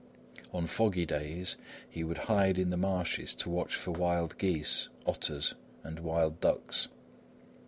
On foggy days, he would hide in the marshes to watch for wild geese, otters and wild ducks.